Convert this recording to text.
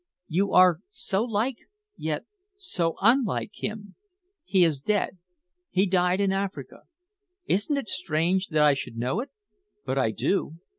You are so like yet so unlike him. He is dead. He died in Africa. Isn't it strange that I should know it? But I do!"